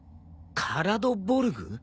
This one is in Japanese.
カラドボルグ？